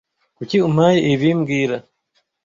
Kuki umpaye ibi mbwira